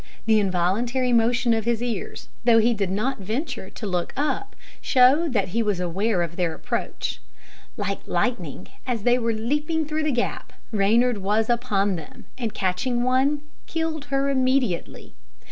The involuntary motion of his ears, though he did not venture to look up, showed that he was aware of their approach. Like lightning, as they were leaping through the gap, Reynard was upon them, and catching one, killed her immediately.